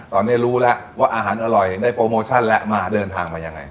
ตอนนี้รู้แล้วว่าอาหารอร่อยได้โปรโมชั่นแล้วมาเดินทางมายังไง